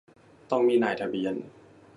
ต้องมีนายทะเบียน